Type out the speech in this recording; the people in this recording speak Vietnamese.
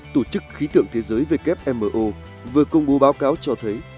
tổ chức khí tượng thế giới wmo vừa công bố báo cáo cho thấy